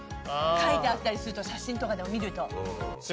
描いてあったりすると写真とかでも見ると。